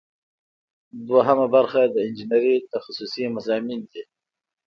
دوهم برخه د انجنیری تخصصي مضامین دي.